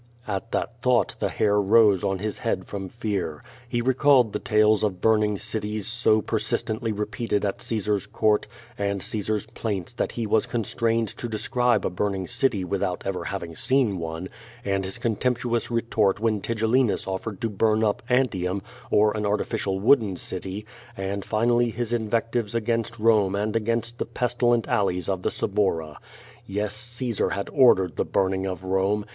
At that thought the hair rose on his head from fear. He recalled the tales of burning cities so persistently repeated at Caesar's court, and Caesar's plaints that he was constrained to describe a burning city without ever having seen one, and his contemptuous retort when Tigellinus offered to burn up Antium, or an artificial wooden city, and finally his invectives against Rome and against the pestilent alleys of the Suburra. Yes, Caesar had ordered the burning of Rome!